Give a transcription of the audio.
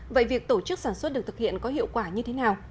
vậy việc tổ chức sản xuất được thực hiện có hiệu quả như thế nào